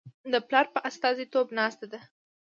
د پلار په استازیتوب ناسته ده.